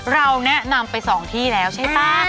เราแนะนำไปสองที่แล้วใช่ป่ะ